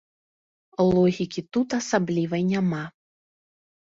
Логікі тут асаблівай няма.